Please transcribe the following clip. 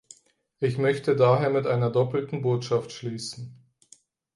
Ich möchte daher mit einer doppelten Botschaft schließen.